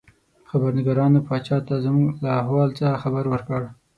خبرنګارانو پاچا ته زموږ له احوال څخه خبر ورکړ.